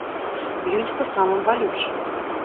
Б'юць па самым балючым.